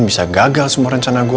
bisa gagal semua rencana gue